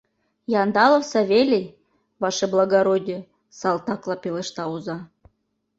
— Яндалов Савелий, ваше благородие!.. — салтакла пелешта оза.